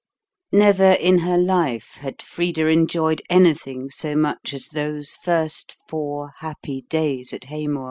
XI Never in her life had Frida enjoyed anything so much as those first four happy days at Heymoor.